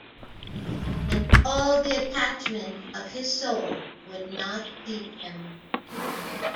And all the attachment of his soul would not keep him.